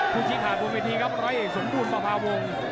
ภูชิคาบุญเวทีครับรอยเอกสมบูรณ์ประพาวงศ์